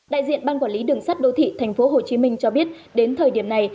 đại diện ban quản lý đường sắt đô thị tp hcm cho biết đến thời điểm này